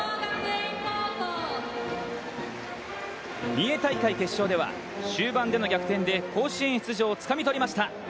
三重大会決勝では終盤での逆転で甲子園出場をつかみとりました。